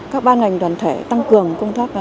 các ban ngành đoàn thể tăng cường công tác